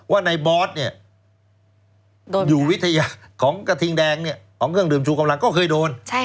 ว่าในบอสเนี่ยอยู่วิทยาของกระทิงแดงของเครื่องดื่มชูกำลังก็เคยโดน